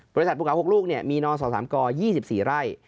บริษัทภูเขา๖ลูกเนี่ยมีนสค๒๔ไร่